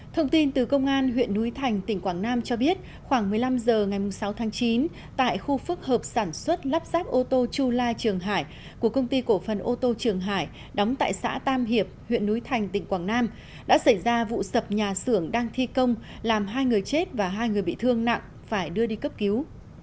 thông tin từ công an huyện núi thành tỉnh quảng nam cho biết khoảng một mươi năm h ngày sáu tháng chín tại khu phức hợp sản xuất lắp ráp ô tô chu lai trường hải của công ty cổ phần ô tô trường hải đóng tại xã tam hiệp huyện núi thành tỉnh quảng nam đã xảy ra vụ sập nhà xưởng đang thi công làm hai người chết và hai người bị thương nặng phải đưa đi cấp cứu